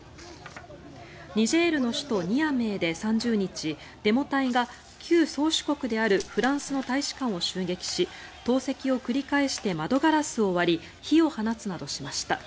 ニジェールの首都ニアメーで３０日デモ隊が、旧宗主国であるフランスの大使館を襲撃し投石を繰り返して窓ガラスを割り火を放つなどしました。